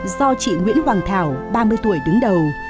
do chị nguyễn hoàng thảo ba mươi tuổi đứng đầu